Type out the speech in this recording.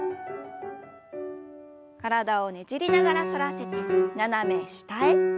体をねじりながら反らせて斜め下へ。